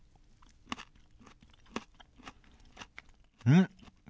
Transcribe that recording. うん！